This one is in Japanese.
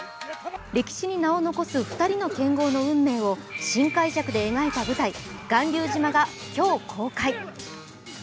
歴史に名を残す２人の剣豪の運命を新解釈で描いた舞台、「巌流島」が今日公開。